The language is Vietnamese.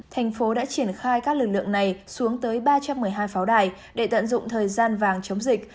thành phố đã triển khai các lực lượng này xuống tới ba trăm một mươi hai pháo đài để tận dụng thời gian vàng chống dịch